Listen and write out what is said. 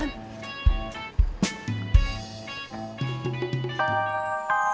neng ini terma